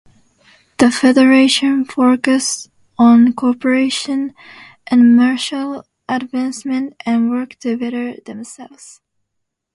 The Federation focuses on cooperation and mutual advancement and work to better themselves.